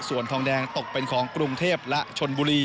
ส่วนทองแดงตกเป็นของกรุงเทพและชนบุรี